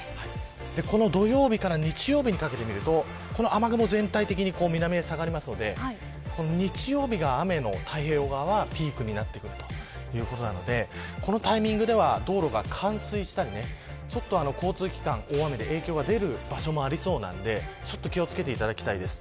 この土曜日から日曜日にかけて見ると雨雲、全体的に南へ下がるので日曜日が、太平洋側は雨のピークになってくるということなのでこのタイミングでは道路が冠水したり交通機関、大雨で影響が出る場所もありそうなので気を付けていただきたいです。